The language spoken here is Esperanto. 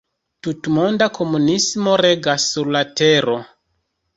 Tutmonda komunismo regas sur la Tero.